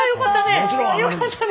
よかったね。